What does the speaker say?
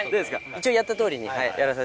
一応やったとおりに。